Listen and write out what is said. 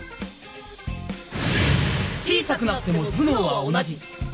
小さくなっても頭脳は同じ。